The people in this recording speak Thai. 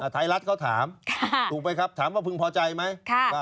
ไทยรัฐเขาถามถูกไหมครับถามว่าพึงพอใจไหม